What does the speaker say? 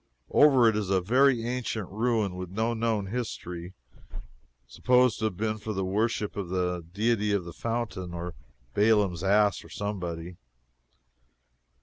Over it is a very ancient ruin, with no known history supposed to have been for the worship of the deity of the fountain or Baalam's ass or somebody.